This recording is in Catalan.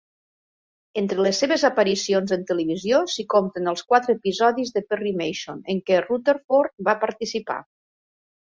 Entre les seves aparicions en televisió s'hi compten els quatre episodis de "Perry Mason" en què Rutherford va participar.